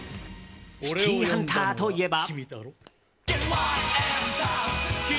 「シティーハンター」といえば。